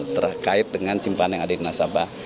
terkait dengan simpan yang ada di nasabah